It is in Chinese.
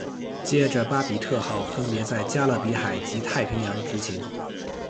接着巴比特号分别在加勒比海及太平洋执勤。